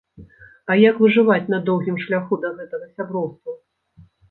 А як выжываць на доўгім шляху да гэтага сяброўства?!